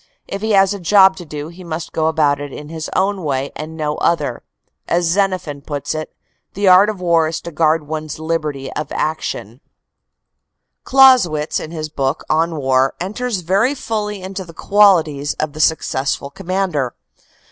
If he has a job to do, he must go about it his own way and no other. As Zenophen puts it: "The art of war is to guard one s liberty of action." THE CORPS COMMANDER 293 Clausewitz in his book, "On War," enters very fully into the qualities of the successful commander.